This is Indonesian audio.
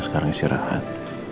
nah sekarang istirahat